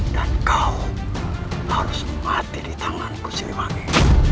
dan kau harus mati di tanganku silvani